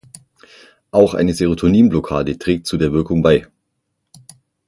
Auch eine Serotonin-Blockade trägt zu der Wirkung bei.